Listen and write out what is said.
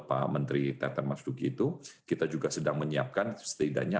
pak menteri teten mas duki itu kita juga sedang menyiapkan setidaknya